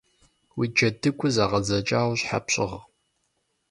Уи джэдыгур зэгъэдзэкӏауэ щхьэ пщыгъ?